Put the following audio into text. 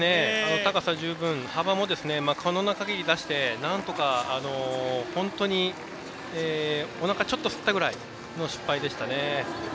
高さ十分、幅も、可能な限り出してなんとか本当におなかちょっとすったぐらいでした。